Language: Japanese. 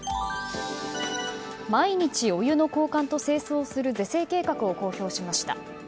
毎日、お湯の交換と清掃をする是正計画を公表しました。